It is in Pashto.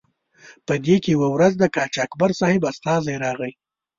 په دې کې یوه ورځ د قاچاقبر صاحب استازی راغی.